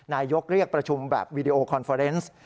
นายกเรียกประชุมแบบวีดีโอคอนเฟอร์เนส์